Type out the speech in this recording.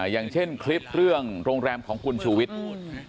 อย่างเช่นคลิปเรื่องโรงแรมของคุณชูวิทย์